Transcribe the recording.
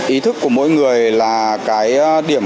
ý thức của mỗi người là cái điểm